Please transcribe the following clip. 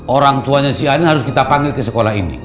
orang tuanya si a ini harus kita panggil ke sekolah ini